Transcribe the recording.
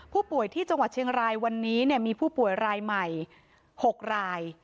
ผู้ป่วยที่จังหวัดเชียงรายวันนี้มีผู้ป่วยรายใหม่๖ราย